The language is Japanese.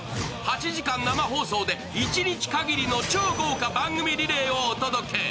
８時間生放送で一日限りの超豪華番組リレーをお届け。